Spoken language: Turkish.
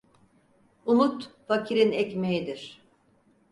Umut fakirin ekmeğidir.